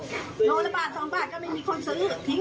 โรลละบาท๒บาทแต่ก็ไม่มีคนซื้อ